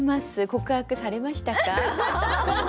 告白されましたか？